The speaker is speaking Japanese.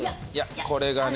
これがね